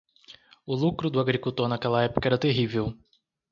O lucro do agricultor naquela época era terrível.